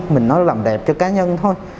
mình nói làm đẹp cho cá nhân thôi